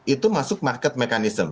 itu masuk market mechanism